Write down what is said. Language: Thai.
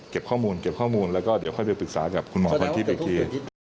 ข้อมูลเก็บข้อมูลแล้วก็เดี๋ยวค่อยไปปรึกษากับคุณหมอพรทิพย์อีกที